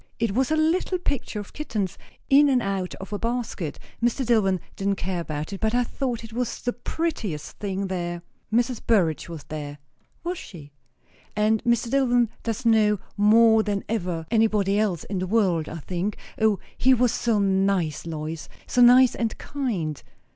It was a little picture of kittens, in and out of a basket. Mr. Dillwyn didn't care about it; but I thought it was the prettiest thing there. Mrs. Burrage was there." "Was she?" "And Mr. Dillwyn does know more than ever anybody else in the world, I think. O, he was so nice, Lois! so nice and kind.